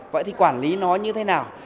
vậy thì quản lý nó như thế nào